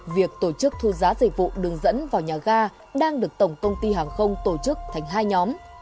việc tổ chức thu giá dịch vụ đường dẫn vào nhà ga đang được tổng công ty hàng không tổ chức thành hai nhóm